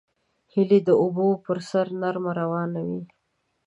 هیلۍ د اوبو پر سر نرمه روانه وي